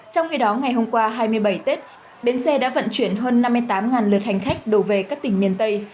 trong khi đó ngày hôm qua hai mươi bảy tết bến xe đã vận chuyển hơn năm mươi tám lượt hành khách đổ về các tỉnh miền tây